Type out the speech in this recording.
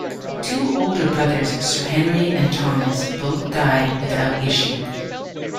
Two older brothers Sir Henry and Thomas both died without issue.